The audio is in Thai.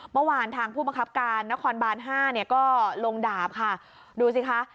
เมื่อวานทางผู้บังคับการนครบานห้าเนี่ยก็ลงดาบค่ะดูสิคะ